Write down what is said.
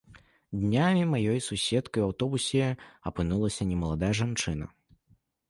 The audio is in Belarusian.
Днямі маёй суседкай у аўтобусе апынулася немаладая жанчына.